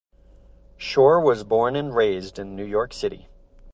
Shor was born and raised in New York City.